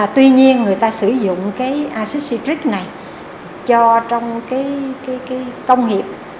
tuy nhiên người ta sử dụng cái acid citric này cho trong công nghiệp